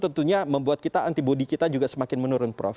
tentunya membuat kita antibody kita juga semakin menurun prof